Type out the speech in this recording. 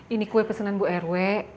ini kue pesanan bu rw